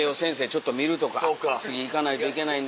ちょっと見るとか「次行かないといけないんです」。